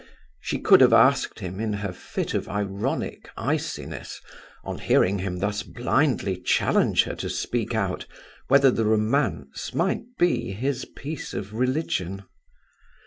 She could have asked him in her fit of ironic iciness, on hearing him thus blindly challenge her to speak out, whether the romance might be his piece of religion.